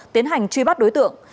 tiến hành truy bắt đối tượng